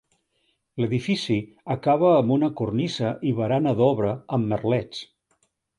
L'edifici acaba amb una cornisa i barana d'obra amb merlets.